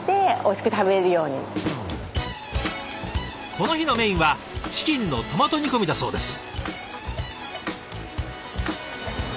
この日のメインはチキンのトマト煮込みだそうです。